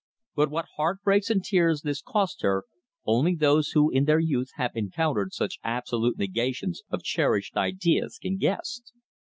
But what heart breaks and tears this cost her, only those who in their youth have encountered such absolute negations of cherished ideas can guess.